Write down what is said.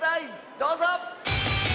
どうぞ！